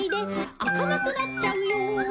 「開かなくなっちゃうよ」